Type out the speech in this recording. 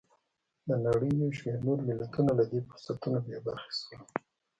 د نړۍ یو شمېر نور ملتونه له دې فرصتونو بې برخې شول.